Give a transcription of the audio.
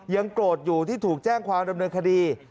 โกรธอยู่ที่ถูกแจ้งความดำเนินคดี